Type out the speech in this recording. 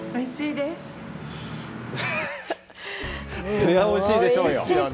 それはおいしいでしょうよ。